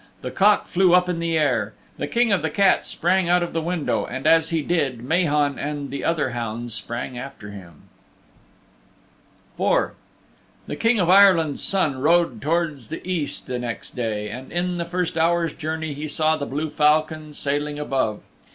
The Cock flew up in the air. The King of the Cats sprang out of the window, and as he did, Mahon and the other hounds sprang after him IV The King of Ireland's Son rode towards the East the next day, and in the first hour's journey he saw the blue falcon sailing above.